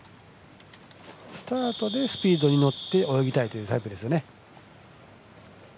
スタートでスピードに乗って泳ぎたいというタイプですよね。